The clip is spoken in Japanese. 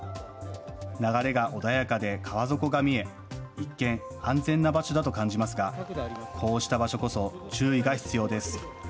流れが穏やかで川底が見え一見、安全な場所だと感じますがこうした場所こそ注意が必要です。